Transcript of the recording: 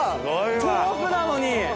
豆腐なのに！